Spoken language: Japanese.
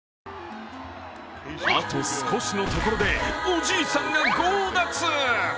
あと少しのところでおじいさんが強奪。